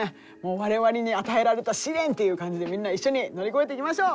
我々に与えられた試練っていう感じでみんな一緒に乗り越えていきましょう！